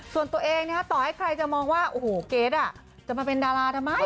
ส่วนตัวเองต่อให้ใครจะมองว่าโอ้โหเกรทจะมาเป็นดาราทำไม